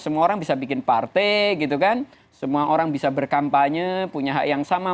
semua orang bisa bikin partai gitu kan semua orang bisa berkampanye punya hak yang sama